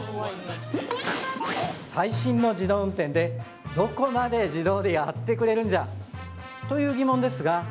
最新の自動運転でどこまで自動でやってくれるんじゃという疑問ですが